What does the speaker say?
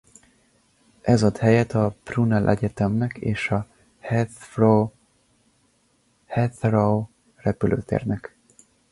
Ez ad helyet a Brunel Egyetemnek és a Heathrow repülőtérnek.